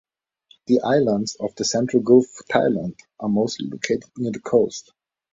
The islands of the central Gulf of Thailand are mostly located near the coast.